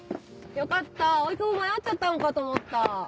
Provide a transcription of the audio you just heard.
よかった蒼君も迷っちゃったのかと思った。